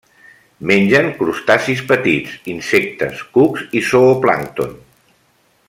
Mengen crustacis petits, insectes, cucs i zooplàncton.